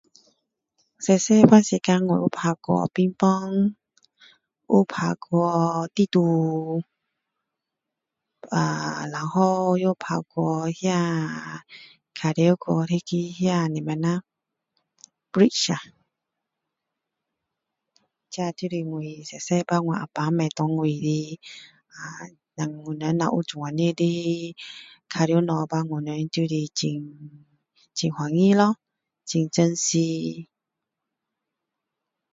小小的时候我有打过乒乓有打过Didu呃然后也打过那玩过那什么啦Bricks啊这就是小时候我啊爸买给我的啊胆我们若有这样的玩具时我们就是很开心咯很珍惜